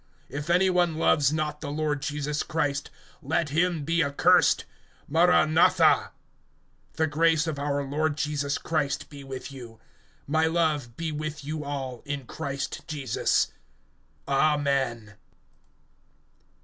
(22)If any one loves not the Lord Jesus Christ, let him be accursed. Maran atha[16:22]! (23)The grace of our Lord Jesus Christ be with you. (24)My love be with you all in Christ Jesus. Amen.